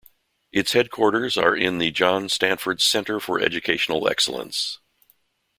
Its headquarters are in the John Stanford Center for Educational Excellence.